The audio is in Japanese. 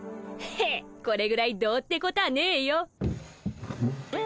ヘッこれぐらいどうってことはねえよ。